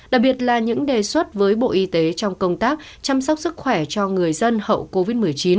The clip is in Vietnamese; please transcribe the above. đặc biệt là những đề xuất với bộ y tế trong công tác chăm sóc sức khỏe cho người dân hậu covid một mươi chín